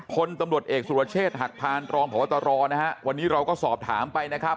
พลตำรวจเอกสุรเชษฐ์หักพานรองพบตรนะฮะวันนี้เราก็สอบถามไปนะครับ